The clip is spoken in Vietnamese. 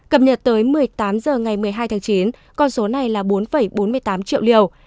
cập nhật tới một mươi tám h ngày một mươi hai tháng chín con số này là bốn bốn mươi tám triệu liều